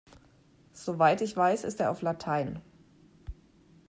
Soweit ich weiß ist er auf Latein.